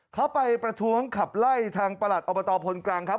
เขาไปประท้วงขับไล่ทางประหลัดอบตพลกรังครับ